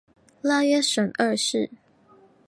拉约什二世。